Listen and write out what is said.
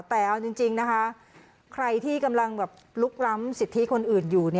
แต่เอาจริงนะคะใครที่กำลังลุกล้ำสิทธิคนอื่นอยู่